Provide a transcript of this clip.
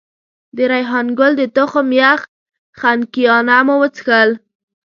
د ریحان ګل د تخم یخ خنکيانه مو وڅښل.